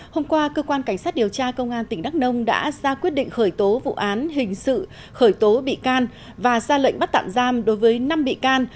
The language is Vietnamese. hôm qua cơ quan cảnh sát điều tra công an tỉnh đắk nông đã ra quyết định khởi tố vụ án hình sự khởi tố bị can và ra lệnh bắt tạm giam đối với năm bị can